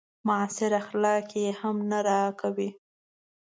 معاصر اخلاق يې هم نه راکوي.